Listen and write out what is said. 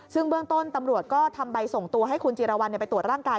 ซึ่งเบื้องต้นตำรวจก็ทำใบส่งตัวให้คุณจิรวรรณไปตรวจร่างกาย